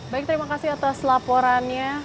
baik terima kasih atas laporannya